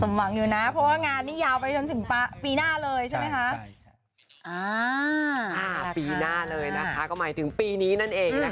สมหวังอยู่นะ